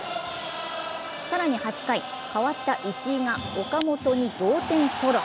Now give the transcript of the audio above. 更に８回、代わった石井が岡本に同点ソロ。